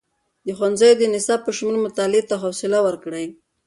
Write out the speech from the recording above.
د ښوونځیو د نصاب په شمول، مطالعې ته خوصله ورکړئ.